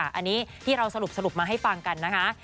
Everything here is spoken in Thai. อันนี้ที่เราสรุปมาให้ฟังกันนะคะ